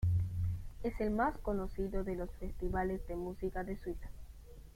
Es el más conocido de los festivales de música de Suiza.